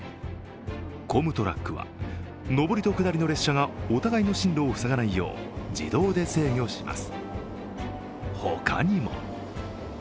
コムトラックは、上りと下りの列車がお互いの進路を塞がないよう自動で制御します。